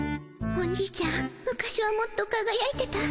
おにいちゃん昔はもっとかがやいてた。